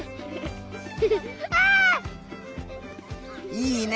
いいね。